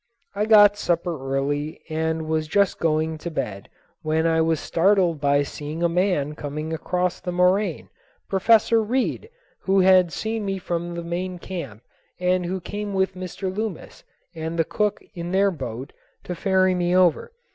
I got supper early and was just going to bed, when I was startled by seeing a man coming across the moraine, Professor Reid, who had seen me from the main camp and who came with Mr. Loomis and the cook in their boat to ferry me over.